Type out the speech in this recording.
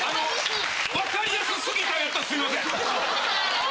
分かりやす過ぎたんやったらすいません！